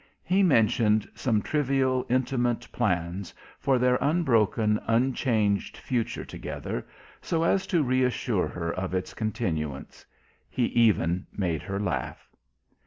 He mentioned some trivial intimate plans for their unbroken, unchanged future together, so as to reassure her of its continuance. He even made her laugh.